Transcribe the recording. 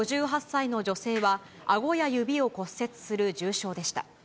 ５８歳の女性は、あごや指を骨折する重傷でした。